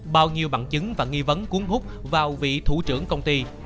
bao nhiêu bằng chứng và nghi vấn cuốn hút vào vị thủ trưởng công ty